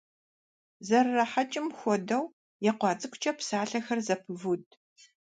ЗэрырахьэкӀым хуэдэу екъуа цӀыкӀукӏэ псалъэхэр зэпывуд.